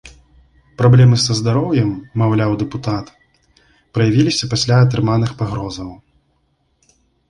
Праблемы са здароўем, маўляў дэпутат, праявіліся пасля атрыманых пагрозаў.